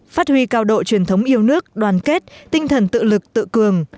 phát huy cao độ truyền thống yêu nước đoàn kết tinh thần tự lực tự cường